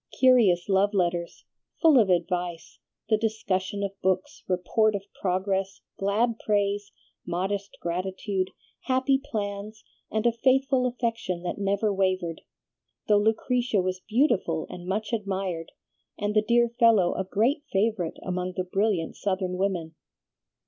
Curious love letters, full of advice, the discussion of books, report of progress, glad praise, modest gratitude, happy plans and a faithful affection that never wavered, though Lucretia was beautiful and much admired, and the dear fellow a great favorite among the brilliant Southern women.